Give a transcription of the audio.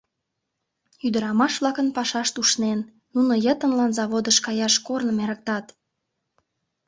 Ӱдырамаш-влакын пашашт ушнен: нуно йытынлан заводыш каяш корным эрыктат.